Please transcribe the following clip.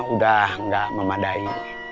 udah nggak memadai